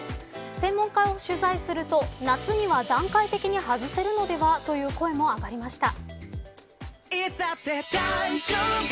専門家を取材すると、夏には段階的に外せるのではという声も上がりました。